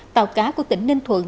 tàu cá của tỉnh ninh thuận